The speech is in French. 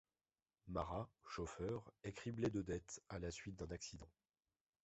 Marat, chauffeur, est criblé de dettes à la suite d'un accident.